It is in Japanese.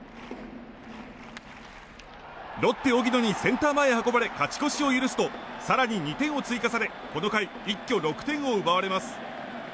ロッテ、荻野にセンター前へ運ばれ勝ち越しを許すと更に２点を追加されこの回、一挙６点を奪われます。